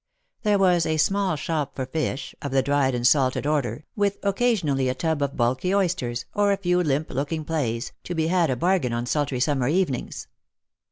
There was a small shop for fish, of the dried and salted order, with occasionally a tub of bulky oysters, or a few limp looking Lost for Love. 47 plaice, to be had a bargain on sultry summer evenings.